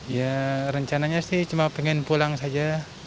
ya rencananya sih cuma pengen pulang saja